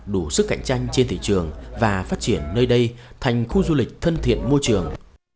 đủ sức cạnh tranh trên thị trường và phát triển nơi đây thành khu du lịch thân thiện môi trường